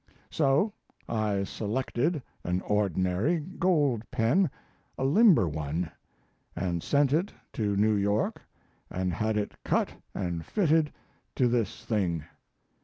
So I selected an ordinary gold pen a limber one and sent it to New York and had it cut and fitted to this thing.